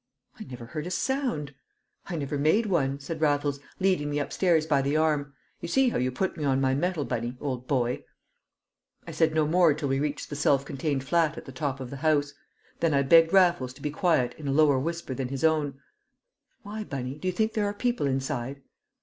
"I never heard a sound." "I never made one," said Raffles, leading me upstairs by the arm. "You see how you put me on my mettle, Bunny, old boy!" I said no more till we reached the self contained flat at the top of the house; then I begged Raffles to be quiet in a lower whisper than his own. "Why, Bunny? Do you think there are people inside?"